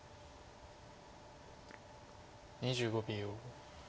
２５秒。